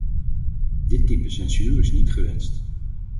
Dit type censuur is niet gewenst.